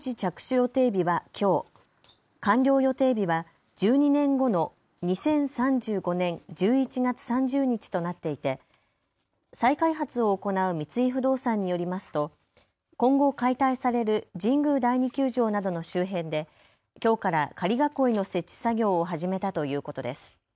予定日はきょう、完了予定日は１２年後の２０３５年１１月３０日となっていて再開発を行う三井不動産によりますと今後、解体される神宮第二球場などの周辺できょうから仮囲いの設置作業を始めたということです。